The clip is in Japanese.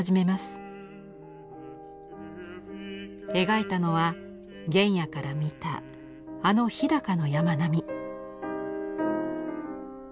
描いたのは原野から見たあの日高の山並み。